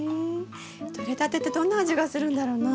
とれたてってどんな味がするんだろうな。